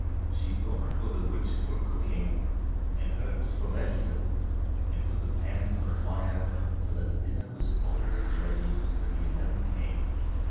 She sought for the wood for cooking and herbs for vegetables, and put the pans on the fire so that the dinner was always ready when the eleven came.